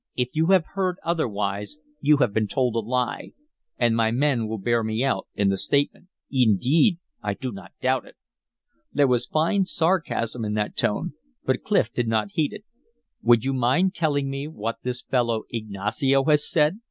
"If you have heard otherwise you have been told a lie. And my men will bear me out in the statement." "Indeed! I do not doubt it." There was fine sarcasm in that tone; but Clif did not heed it. "Would you mind telling me what this fellow Ignacio has said?"